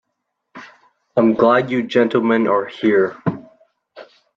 I'm glad you gentlemen are here.